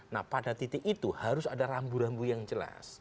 nah pada titik itu harus ada rambu rambu yang jelas